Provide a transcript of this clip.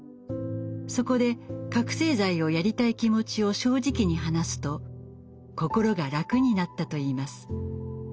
そこで覚せい剤をやりたい気持ちを正直に話すと心が楽になったといいます。